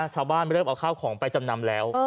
ชาวบ้านเริ่มเอาข้าวของไปจำนำแล้ว